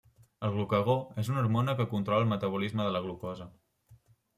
El glucagó és una hormona que controla el metabolisme de la glucosa.